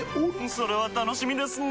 それは楽しみですなぁ。